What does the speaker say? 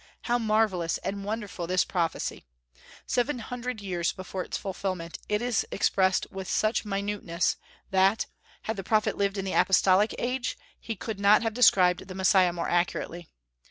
How marvellous and wonderful this prophecy! Seven hundred years before its fulfilment, it is expressed with such minuteness, that, had the prophet lived in the Apostolic age, he could not have described the Messiah more accurately.